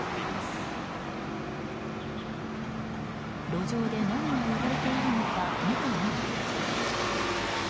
路上で何が売られているのか見てみると。